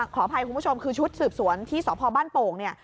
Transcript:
ขออภัยคุณผู้ชมคือชุดสืบสวนที่สพบ้านโป่งเนี่ย